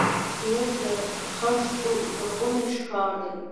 یزد د خښتو لرغونی ښار دی.